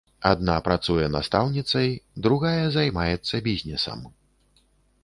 Адна працуе настаўніцай, другая займаецца бізнесам.